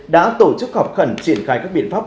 đã tổ chức họp khẩn triển khai các biện pháp